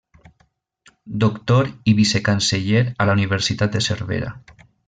Doctor i Vicecanceller a la Universitat de Cervera.